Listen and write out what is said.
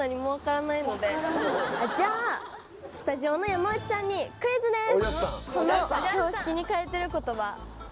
じゃあスタジオの山内さんにクイズです！